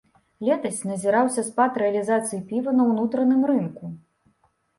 Летась назіраўся спад рэалізацыя піва на ўнутраным рынку.